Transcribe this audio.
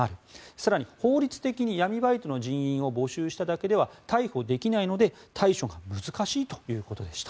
更に法律的に闇バイトの人員を募集しただけでは逮捕できないので対処が難しいということでした。